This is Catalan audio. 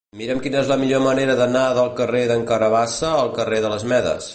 Mira'm quina és la millor manera d'anar del carrer d'en Carabassa al carrer de les Medes.